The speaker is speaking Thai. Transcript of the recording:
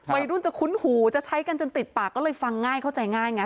วัยรุ่นจะคุ้นหูจะใช้กันจนติดปากก็เลยฟังง่ายเข้าใจง่ายไง